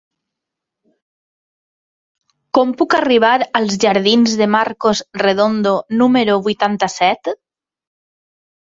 Com puc arribar als jardins de Marcos Redondo número vuitanta-set?